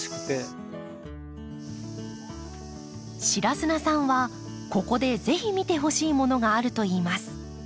白砂さんはここでぜひ見てほしいものがあるといいます。